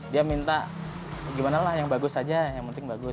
dia minta gimana lah yang bagus aja yang penting bagus